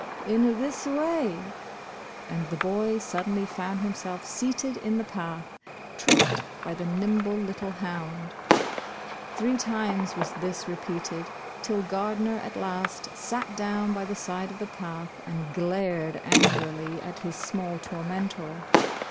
"In this way," and the boy suddenly found himself seated in the path tripped by the nim ble little hound ! Three times was this repeated, till Gardner at last sat down by the side of the path and glared anmlv at his small tormentor.